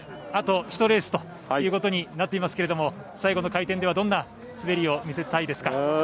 あと１レースということになっていますけど最後の回転ではどんな滑りを見せたいですか。